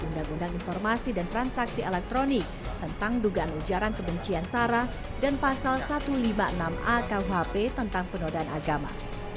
undang undang informasi dan transaksi elektronik tentang dugaan ujaran kebencian sara dan pasal satu ratus lima puluh enam a kuhp tentang penodaan agama